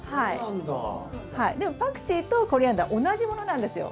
でもパクチーとコリアンダー同じものなんですよ。